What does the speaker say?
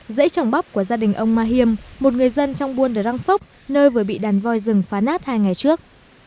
dãy trồng bắp của gia đình ông ma hiêm một người dân trong buôn dờ đăng phốc nơi vừa bị đàn voi rừng phá nát hai ngày trước